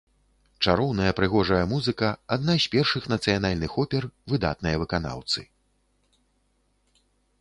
Чароўная прыгожая музыка, адна з першых нацыянальных опер, выдатныя выканаўцы.